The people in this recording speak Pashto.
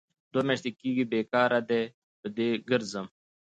دوه میاشې کېږي بې کاره ډۍ په ډۍ کرځم.